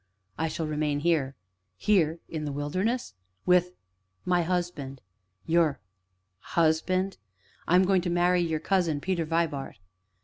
"I shall remain here." "Here? In the wilderness?" "With my husband." "Your husband?" "I am going to marry your cousin Peter Vibart."